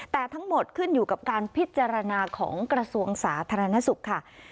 แต่ทั้งหมดขึ้นอยู่กับการพิจารณาของกระทรวงสาธารณสุขค่ะ